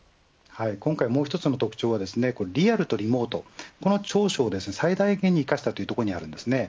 今回のもう一つの特徴はリアルとリモートこの長所を最大限に生かしたというところにあるんですね。